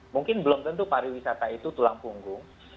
mungkin belum tentu pariwisata itu tulang punggung